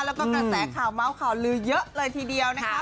แล้วก็กระแสข่าวเมาส์ข่าวลือเยอะเลยทีเดียวนะคะ